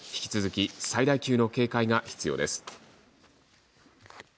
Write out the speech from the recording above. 引き続き最大級の警戒が必要です。